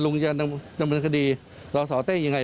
ลุงจะนำนำเป็นคดีสอสต้่อยังไง